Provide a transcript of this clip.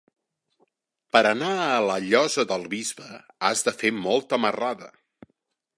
Per anar a la Llosa del Bisbe has de fer molta marrada.